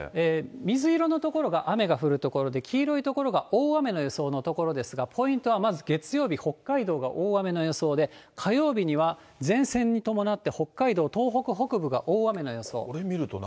水色の所が雨が降る所で、黄色い所が大雨の予想の所ですが、ポイントはまず月曜日、北海道が大雨の予想で、火曜日には前線に伴って北海道、東北北部が大雨の予想。